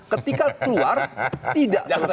ketika keluar tidak selesai